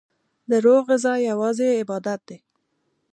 دروح غذا یوازی عبادت دی